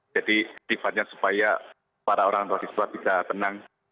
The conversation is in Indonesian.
jadi tifadnya supaya para orang tua siswa bisa tenang